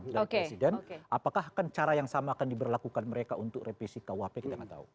dan presiden apakah akan cara yang sama akan diberlakukan mereka untuk repisi kuhp kita enggak tahu